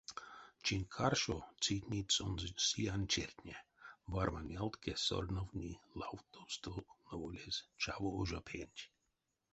Чинть каршо цитнить сонзэ сиянь чертне, вармань ялткесь сорновтни лавтовсто новолезь чаво ожа пенть.